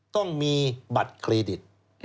ต้องมีบัตรเครดิต